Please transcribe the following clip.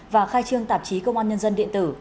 và khai trương tạp chí công an nhân dân điện tử